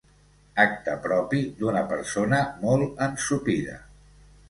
Acte propi d'una persona molt ensopida.